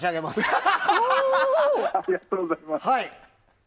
ありがとうございます！